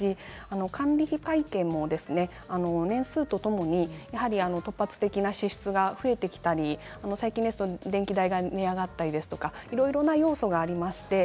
管理費会計も年数とともに突発的な支出が増えてきたり最近ですと電気代が値上がりしたりいろいろな要素があります。